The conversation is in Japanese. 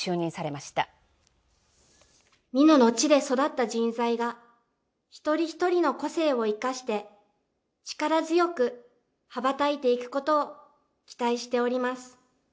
みのの地で今の地で育った人材が一人ひとりの個性を目指して力強く羽ばたいていくことを期待しております。